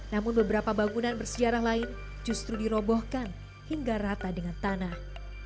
namun beberapa bangunan bersejarah lain justru dirobohkan hingga rata dengan tanah